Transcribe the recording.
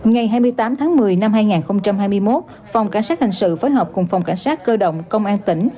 ngày hai mươi tám tháng một mươi năm hai nghìn hai mươi một phòng cảnh sát hình sự phối hợp cùng phòng cảnh sát cơ động công an tỉnh